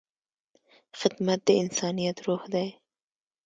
خدمت د انسانیت روح دی.